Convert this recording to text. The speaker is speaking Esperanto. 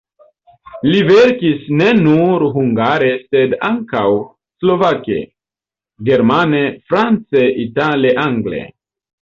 Li verkis ne nur hungare, sed ankaŭ slovake, germane, france, itale, angle.